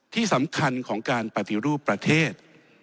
ที่สำคัญของการปฏิรูปประเทศ